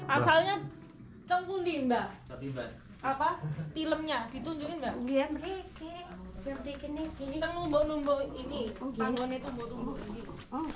asalnya tempat tidur ini mbak